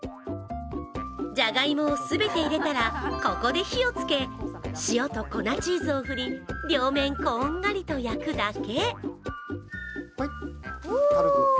じゃがいもを全て入れたら、ここで火をつけ、塩と粉チーズを振り、両面こんがりと焼くだけ。